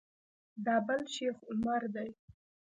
دا بل شیخ عمر دی.